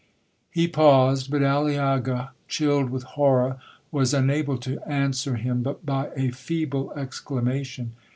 'He paused, but Aliaga, chilled with horror, was unable to answer him but by a feeble exclamation.